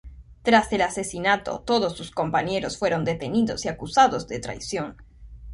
Tras el asesinato, todos sus compañeros fueron detenidos y acusados de traición.